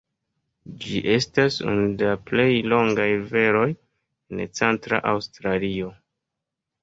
Ĝi estas unu de la plej longaj riveroj en Centra Aŭstralio.